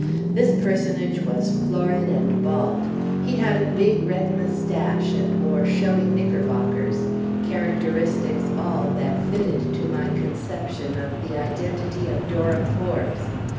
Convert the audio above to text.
This personage was florid and bald; he had a big red moustache and wore showy knickerbockers—characteristics all that fitted to my conception of the identity of Dora Forbes.